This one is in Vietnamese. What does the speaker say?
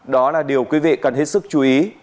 đó là điều quý vị cần hết sức chú ý